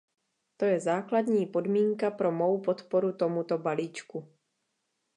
To je základní podmínka pro mou podporu tomuto balíčku.